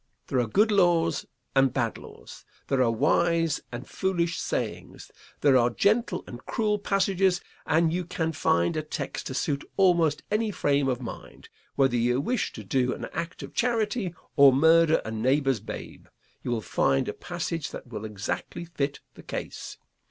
There are good laws and bad laws. There are wise and foolish sayings. There are gentle and cruel passages, and you can find a text to suit almost any frame of mind; whether you wish to do an act of charity or murder a neighbor's babe, you will find a passage that will exactly fit the case.